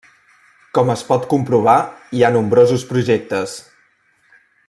Com es pot comprovar, hi ha nombrosos projectes.